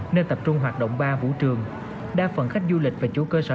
nơi tập trung hoạt động bar vũ trường đa phần khách du lịch và chủ cơ sở